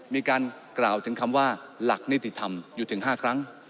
มีการกล่าวถึงคำว่าหลักนิติธรรมอยู่ถึง๕ครั้ง